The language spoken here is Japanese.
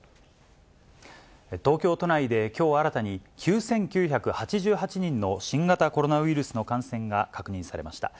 東京都内できょう新たに９９８８人の新型コロナウイルスの感染が確認されました。